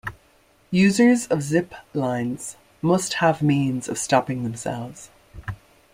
Users of zip-lines must have means of stopping themselves.